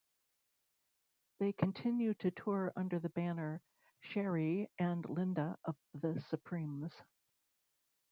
They continue to tour under the banner Scherrie and Lynda of The Supremes.